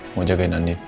mau jagain anin